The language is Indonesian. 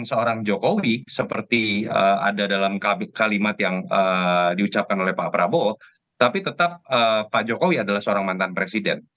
seorang jokowi seperti ada dalam kalimat yang diucapkan oleh pak prabowo tapi tetap pak jokowi adalah seorang mantan presiden